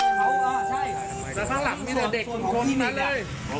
ในที่พวกผมสงสัยกันเนี่ย